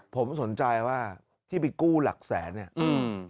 ผมสนใจว่าที่ไปกู้หลักแสนเนี่ยอืม